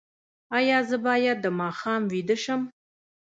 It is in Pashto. ایا زه باید د ماښام ویده شم؟